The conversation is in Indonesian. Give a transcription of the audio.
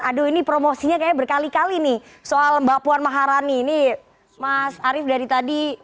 aduh ini promosinya kayaknya berkali kali nih soal mbak puan maharani ini mas arief dari tadi